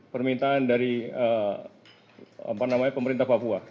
permintaan dari pemerintah papua